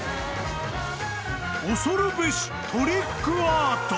［恐るべしトリックアート］